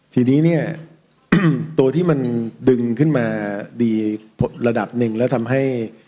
ทีนี้เนี่ยตัวที่มันดึงขึ้นมาดีระดับหนึ่งแล้วทำให้